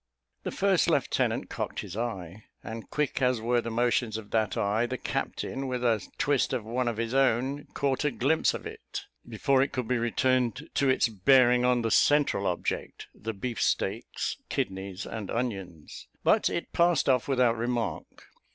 The first lieutenant cocked his eye; and quick as were the motions of that eye, the captain, with a twist of one of his own, caught a glimpse of it, before it could be returned to its bearing on the central object, the beef steaks, kidneys, and onions. But it passed off without remark.